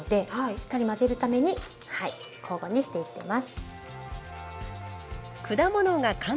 しっかり混ぜるために交互にしていってます。